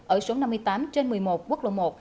ở số năm mươi tám trên một mươi một quốc lộ một